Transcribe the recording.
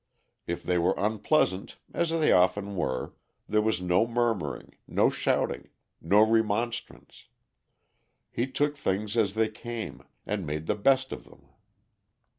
If they were unpleasant, as they often were, there was no murmuring, no shouting, no remonstrance. He took things as they came, and made the best of them.